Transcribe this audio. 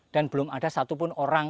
dan belum ada satu pun yang melihatnya